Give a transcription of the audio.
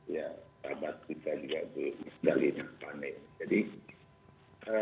ya benar sekali yang disampaikan oleh ya sahabat kita juga itu misalnya